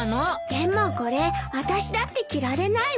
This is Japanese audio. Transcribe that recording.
でもこれあたしだって着られないわ。